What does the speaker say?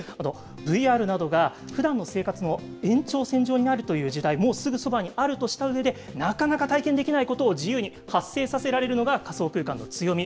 ＶＲなどがふだんの生活の延長線上にあるという時代、もうすぐそばにあるとしたうえで、なかなか体験できないことを自由に発生させられるのが仮想空間の強み。